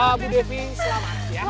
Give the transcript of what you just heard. ah bu devi selamat ya